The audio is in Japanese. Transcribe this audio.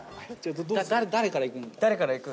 誰から行く？